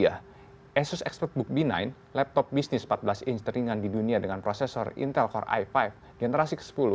asus expertbook b sembilan laptop bisnis empat belas angge teringan di dunia dengan prosesor intelcore i lima generasi ke sepuluh